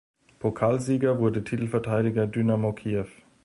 Pokalsieger wurde Titelverteidiger Dynamo Kiew.